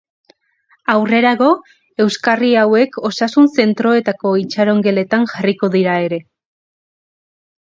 Aurrerago, euskarri hauek osasun-zentroetako itxarongeletan jarriko dira ere.